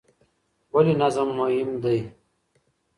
ولې نظم مهم دی؟